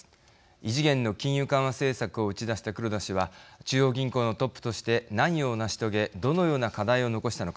異次元の金融緩和政策を打ち出した黒田氏は中央銀行のトップとして何を成し遂げどのような課題を残したのか。